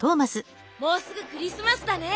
もうすぐクリスマスだね。